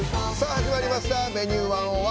始まりました「Ｖｅｎｕｅ１０１」。